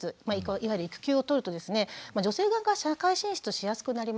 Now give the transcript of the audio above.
いわゆる育休をとるとですね女性が社会進出しやすくなります。